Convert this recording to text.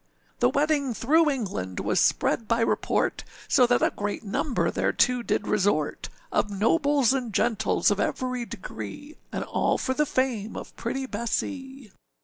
The wedding through England was spread by report, So that a great number thereto did resort Of nobles and gentles of every degree, And all for the fame of pretty Bessee.